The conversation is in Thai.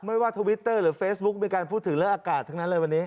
ไม่ว่าทวิตเตอร์หรือเฟซบุ๊กมีการพูดถึงเรื่องอากาศทั้งนั้นเลยวันนี้